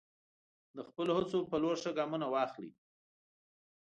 د خپلو هڅو په لور ښه ګامونه واخلئ.